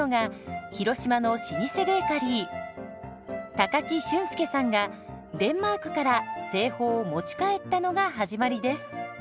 高木俊介さんがデンマークから製法を持ち帰ったのが始まりです。